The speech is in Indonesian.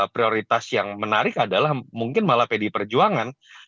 prioritas yang menarik adalah mungkin malah pdi perjuangan